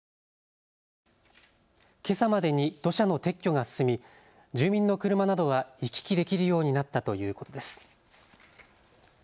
けさまでに土砂の撤去が進み住民の車などは行き来できるようになったということです。